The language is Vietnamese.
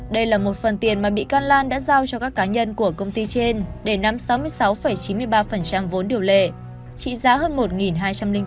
đây là một phần tiền mà bị can lan đã giao cho các cá nhân của công ty trên để nắm sáu mươi sáu chín mươi ba vốn điều lệ trị giá hơn một hai trăm linh tỷ đồng